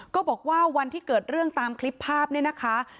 บอกว่าวันที่เกิดเรื่องตามคลิปภาพเนี่ยนะคะ